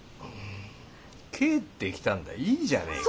帰ってきたんだいいじゃねえか。